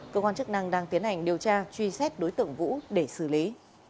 cơ quan chức năng đang tiến hành điều tra truy xét đối tượng vũ để xử lý